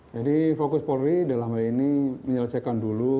jadi fokus polri dalam hal ini menyelesaikan dulu